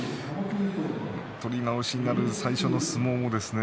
取り直しになる最初の相撲もですね